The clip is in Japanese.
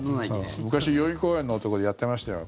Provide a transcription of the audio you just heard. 昔、代々木公園のとこでやってましたよ。